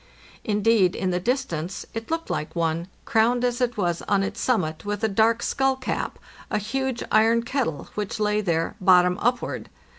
Indeed, in the distance it looked like one, crowned as it was on its summit with a dark skull cap, a huge iron kettle, which lay there bottom upward.